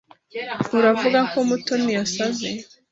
Uravuga ko Mutoni yasaze?